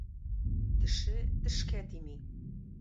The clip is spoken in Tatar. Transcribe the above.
Теше тешкә тими.